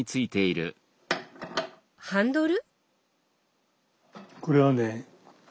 ハンドル？